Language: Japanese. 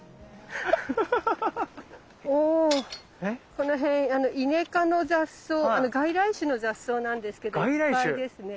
この辺イネ科の雑草外来種の雑草なんですけどいっぱいですね。